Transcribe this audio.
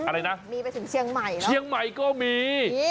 มีไปถึงเชียงใหม่แล้วเชียงใหม่ก็มี